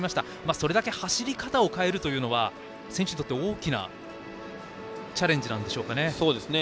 それだけ走り方を変えるのは選手にとって大きなチャレンジなんでしょうか。